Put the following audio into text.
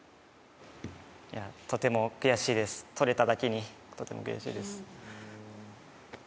とても悔しいです取れただけにとても悔しいです。